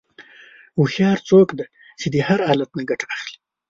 هوښیار څوک دی چې د هر حالت نه ګټه اخلي.